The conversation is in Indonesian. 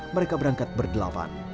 mereka berangkat bergelapan